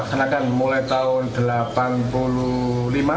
untuk menunjang perekonomian keluarganya di rumah